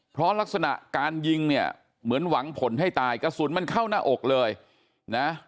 เพราะลักษณะการยิงเนี่ยเหมือนหวังผลให้ตายกระสุนมันเข้าหน้าอกเลยนะ